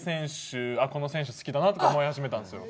この選手好きだなとか思い始めたんですよ。